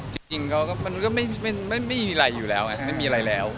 จริงมันก็ไม่มีอะไรอยู่แล้วไงไม่มีอะไรแล้ว